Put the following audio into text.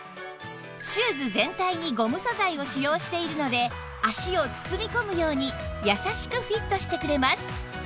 シューズ全体にゴム素材を使用しているので足を包み込むように優しくフィットしてくれます